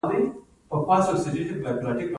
د بایومتریک سیستم ګټه څه ده؟